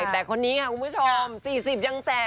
แต่คนนี้ค่ะคุณผู้ชม๔๐ยังแจก